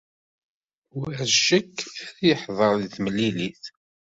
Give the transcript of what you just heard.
War ccek, ad yeḥdeṛ deg temlilit.